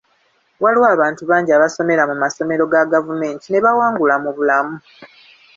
Waliwo abantu bangi abasomera mu masomero ga gavumenti ne bawangula mu bulamu.